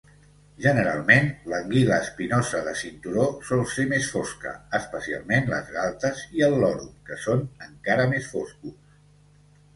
Generalment, l'anguila espinosa de cinturó sol ser més fosca, especialment les galtes i el lòrum, que són encara més foscos.